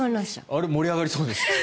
あれ盛り上がりそうですね。